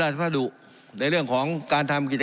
การปรับปรุงทางพื้นฐานสนามบิน